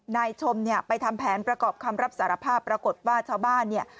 นายชมเนี่ยไปทำแผนประกอบคำรับสารภาพปรากฏว่าชาวบ้านเนี่ย